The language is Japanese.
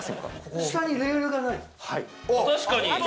下にレールがない。